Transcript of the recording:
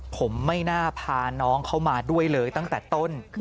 ผมไม่น่าพาน้องเข้ามาด้วยเลยตั้งแต่ต้น